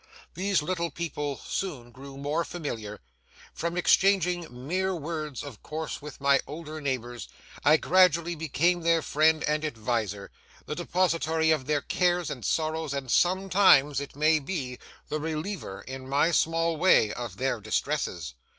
These little people soon grew more familiar. From exchanging mere words of course with my older neighbours, I gradually became their friend and adviser, the depositary of their cares and sorrows, and sometimes, it may be, the reliever, in my small way, of their distresses.